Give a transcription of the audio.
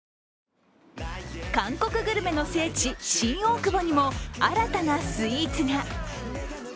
韓国グルメの聖地・新大久保にも新たなスイーツが。